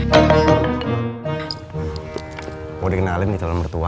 mau dikenalin di talon mertua